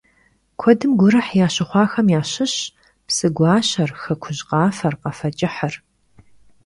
Kuedım gurıh yaşıxhuaxem yaşışş Pşı guaşer, Xekuj khafer, Khafe ç'ıhır.